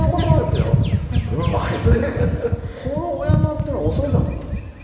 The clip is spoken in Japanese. この「お山」っていうのは恐山のことなんですよ。